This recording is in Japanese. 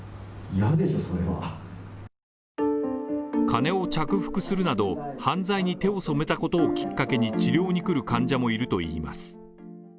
金を着服するなど、犯罪に手を染めたことをきっかけに治療に来る患者もいるといいます。